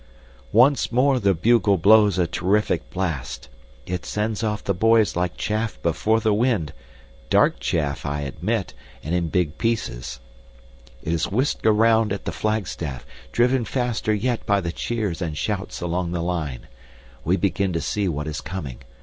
Once more the bugle blows a terrific blast. It sends off the boys like chaff before the wind dark chaff I admit, and in big pieces. It is whisked around at the flagstaff, driven faster yet by the cheers and shouts along the line. We begin to see what is coming.